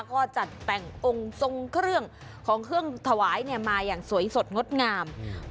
ก็จัดแต่งองค์ทรงเครื่องของเครื่องถวายมาอย่างสวยสดงดงาม